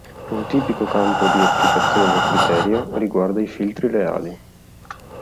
Un tipico campo di applicazione del criterio riguarda i filtri reali.